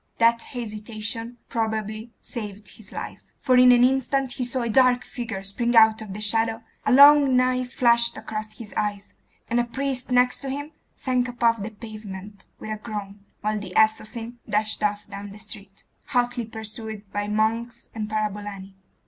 That hesitation probably saved his life; for in an instant he saw a dark figure spring out of the shadow, a long knife flashed across his eyes, and a priest next to him sank upon the pavement with a groan, while the assassin dashed off down the street, hotly pursued by monks and parabolani.